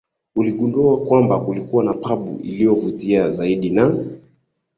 uligundua kwamba kilikuwa na pub iliyovutia zaidi na